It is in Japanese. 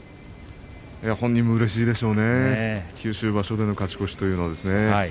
本人もうれしいでしょうね、九州場所での勝ち越しというのは。